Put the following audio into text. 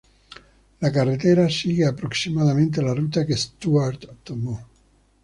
La carretera sigue aproximadamente la ruta que Stuart tomó.